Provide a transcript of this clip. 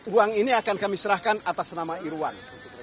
uang ini akan kami serahkan atas nama irwan